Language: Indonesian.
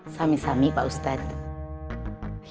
sami sami pak ustaz